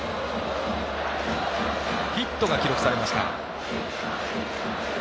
ヒットが記録されました。